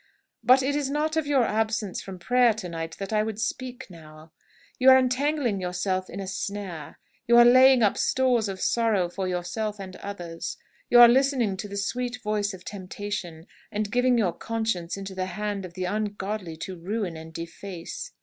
"But it is not of your absence from prayer to night that I would speak now. You are entangling yourself in a snare. You are laying up stores of sorrow for yourself and others. You are listening to the sweet voice of temptation, and giving your conscience into the hand of the ungodly to ruin and deface!"